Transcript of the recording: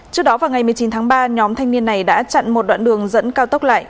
trước đó vào ngày một mươi chín tháng ba nhóm thanh niên này đã chặn một đoạn đường dẫn cao tốc lại